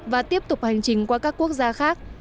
và tiếp tục hành trình qua các quốc gia khác